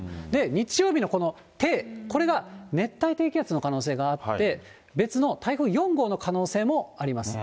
日曜日のこの低、これが熱帯低気圧の可能性があって、別の台風４号の可能性もあります。